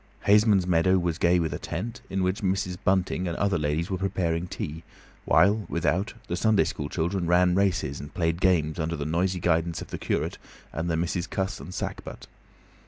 Haysman's meadow was gay with a tent, in which Mrs. Bunting and other ladies were preparing tea, while, without, the Sunday school children ran races and played games under the noisy guidance of the curate and the Misses Cuss and Sackbut.